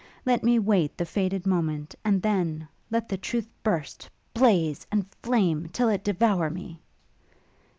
Let me wait the fated moment, and then let the truth burst, blaze, and flame, till it devour me!